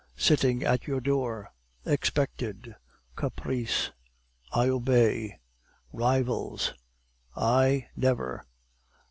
"Sitting at your door expected Caprice I obey Rivals I, never!